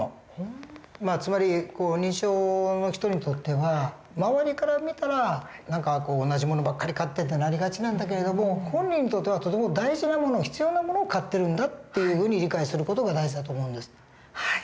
つまり認知症の人にとっては周りから見たら何か「同じ物ばっかり買って」ってなりがちなんだけれども本人にとってはとても大事な物必要な物を買ってるんだっていうふうに理解する事が大事だと思うんです。